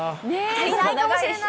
足りないかもしれない。